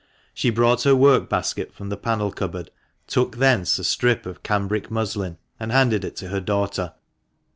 She brought her work basket from the panel cupboard, took thence a strip of cambric muslin, and handed it to her daughter.